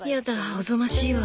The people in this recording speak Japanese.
おぞましいわ。